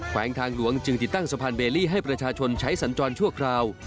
วงทางหลวงจึงติดตั้งสะพานเบลลี่ให้ประชาชนใช้สัญจรชั่วคราว